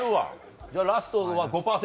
じゃあラストは５％？